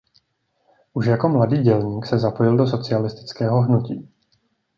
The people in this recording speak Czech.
Už jako mladý dělník se zapojil do socialistického hnutí.